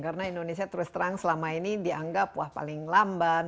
karena indonesia terus terang selama ini dianggap paling lambat